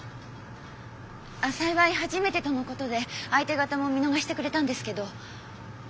幸い初めてとのことで相手方も見逃してくれたんですけど。